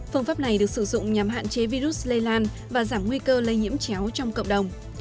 phương pháp này được sử dụng nhằm hạn chế virus lây lan và giảm nguy cơ lây nhiễm chéo trong cộng đồng